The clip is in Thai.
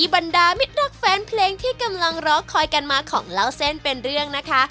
บรรดามิตรรักแฟนเพลงที่กำลังรอคอยกันมาของเล่าเส้นเป็นเรื่องนะคะ